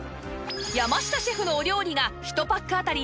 山下シェフのお料理が１パックあたり